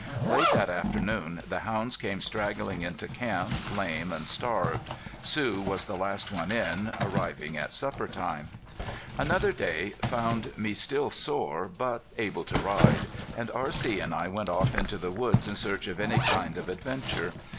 Late that afternoon the hounds came straggling into camp, lame and starved. Sue was the last one in, arriving at supper time. Another day found me still sore, but able to ride, and R.C. and I went off into the woods in search of any kind of adventure.